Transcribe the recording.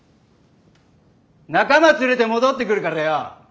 仲間連れて戻ってくるからよ